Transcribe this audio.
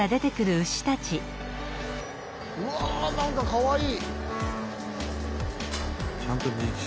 うわ何かかわいい！